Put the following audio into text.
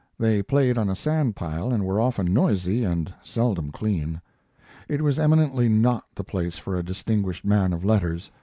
They played on a sand pile and were often noisy and seldom clean. It was eminently not the place for a distinguished man of letters.